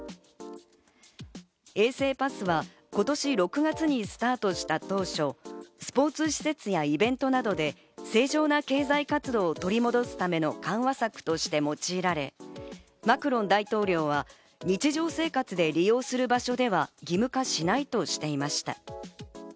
衛生パスは今年６月にスタートした当初、スポーツ施設やイベントなどで正常な経済活動を取り戻すための緩和策として用いられ、マクロン大統領は日常生活で利用する場所では義務化しないとしていました。